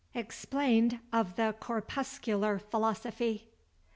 EXPLAINED OF THE CORPUSCULAR PHILOSOPHY.